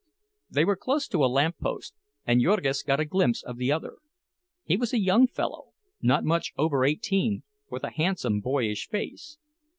They were close to a lamppost, and Jurgis got a glimpse of the other. He was a young fellow—not much over eighteen, with a handsome boyish face.